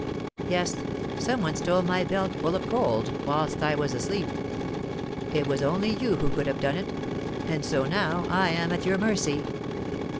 Yes, some one stole my belt full of gold whilst I was asleep. It was only you who could have done it; and so now I am at your mercy.